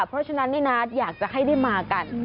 เพราะฉะนั้นนี่นะอยากจะให้ได้มากัน